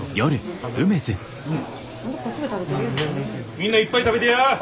みんないっぱい食べてや！